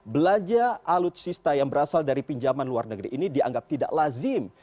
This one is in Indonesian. belanja alutsista yang berasal dari pinjaman luar negeri ini dianggap tidak lazim